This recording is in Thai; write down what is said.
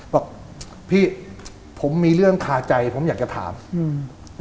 บอกพี่ผมมีเรื่องคาใจผมอยากจะถามอืม